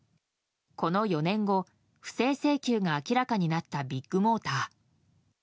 この４年後、不正請求が明らかになったビッグモーター。